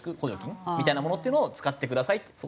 補助金みたいなものっていうのを使ってくださいと。